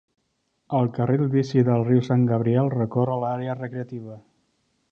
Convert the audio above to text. El carril bici del riu San Gabriel recorre l'àrea recreativa.